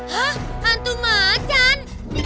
hah hantu macan